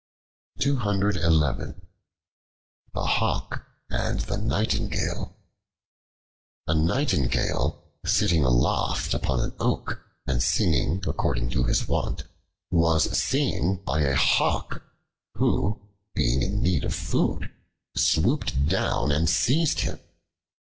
The Hawk and the Nightingale A NIGHTINGALE, sitting aloft upon an oak and singing according to his wont, was seen by a Hawk who, being in need of food, swooped down and seized him.